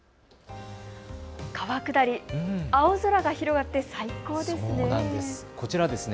川下り、青空が広がって最高ですね。